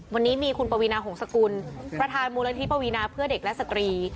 วันนี้มีคุณปวีนาหงษกุลประธานมูลนิธิปวีนาเพื่อเด็กและสตรี